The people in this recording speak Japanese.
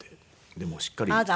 でもうしっかり。